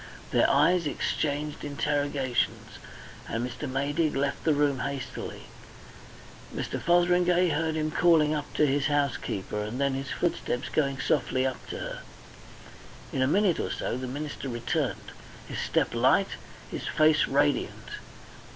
Their eyes exchanged interrogations, and Mr. Maydig left the room hastily. Mr. Fotheringay heard him calling up to his housekeeper and then his footsteps going softly up to her. In a minute or so the minister returned, his step light, his face radiant.